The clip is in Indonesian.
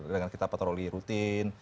dengan kita patroli rutin